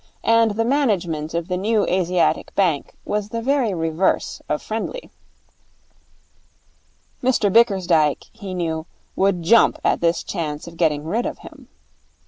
And the management of the New Asiatic Bank was the very reverse of friendly. Mr Bickersdyke, he knew, would jump at this chance of getting rid of him.